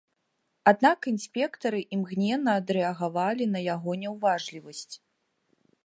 Аднак інспектары імгненна адрэагавалі на яго няўважлівасць.